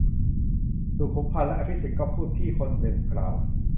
สุขุมพันธุ์และอภิสิทธิ์ ก็พูด - พี่คนหนึ่งกล่าว